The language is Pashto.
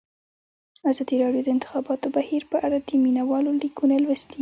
ازادي راډیو د د انتخاباتو بهیر په اړه د مینه والو لیکونه لوستي.